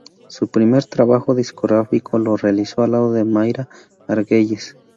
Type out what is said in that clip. Su primer trabajo discográfico lo realizó al lado de Mayra Argüelles.